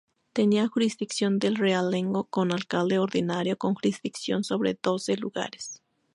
Tenía jurisdicción de realengo con alcalde ordinario, con jurisdicción sobre doce lugares.